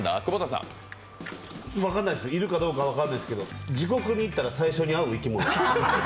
分かんないです、いるかどうか分からないけど地獄に行ったら最初に会う生き物。